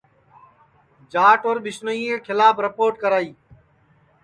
جاٹ اور ٻسنوئیں کے کھلاپ رِپوٹ کرائی